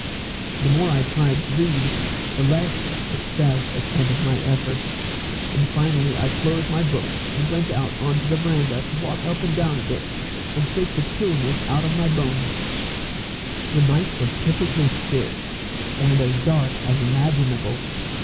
The more I tried to read, the less success attended my efforts; and finally I closed my books and went out on the verandah to walk up and down a bit, and shake the chilliness out of my bones. The night was perfectly still, and as dark as imaginable.